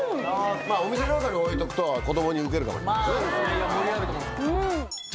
お店の中に置いとくと、子どもにウケるかもしれないです所